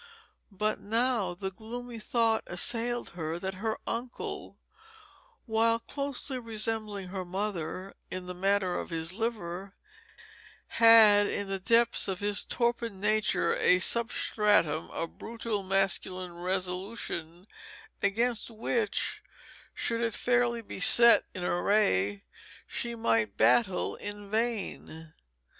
But now the gloomy thought assailed her that her uncle, while closely resembling her mother in the matter of his liver, had in the depths of his torpid nature a substratum of brutal masculine resolution against which, should it fairly be set in array, she might battle in vain.